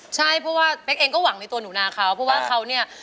ใช่เพราะว่าเป๊กเองก็หวังในตัวหนูนาเขาเพราะว่าเขาเนี่ย